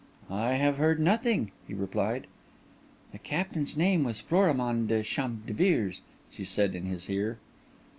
"I have heard nothing," he replied. "The captain's name was Florimond de Champdivers," she said in his ear.